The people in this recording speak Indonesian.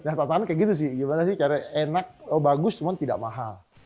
nah tantangan kayak gitu sih gimana sih cara enak bagus cuman tidak mahal